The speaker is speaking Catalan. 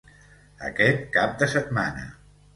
Aquest cap de setmana